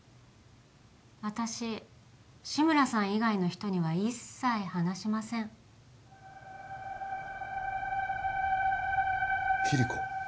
私志村さん以外の人には一切話しませんキリコ？